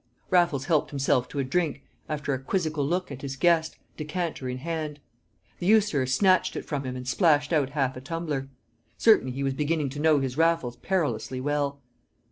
Raffles helped himself to a drink, after a quizzical look at his guest, decanter in hand; the usurer snatched it from him and splashed out half a tumbler. Certainly he was beginning to know his Raffles perilously well.